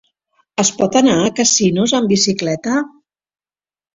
Es pot anar a Casinos amb bicicleta?